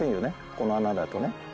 この穴だとね。